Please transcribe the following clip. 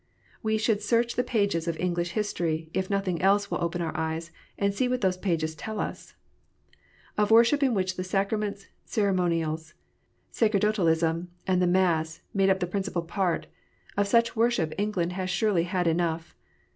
We should search the pages of English history, if nothing else will open our eyes, and see what those pages tell us. Of worship in which Sacraments, Ceremonies, Sacerdotalism, and the Mass made the principal part, of such worship England has surely had enough.